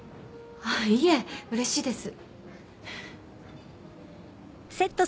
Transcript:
あっいえうれしいです。